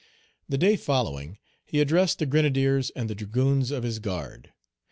The day following, he addressed the grenadiers and the dragoons of his guard.